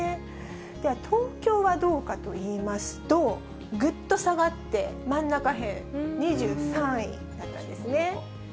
では東京はどうかといいますと、ぐっと下がって真ん中辺、２３位だったんですね。